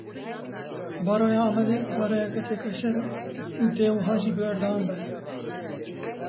Baroya Amedê baroyeke têkoşer e û dê wiha jî berdewam be.